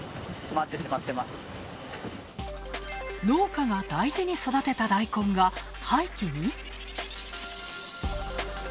農家が大事に育てたダイコンが、廃棄に？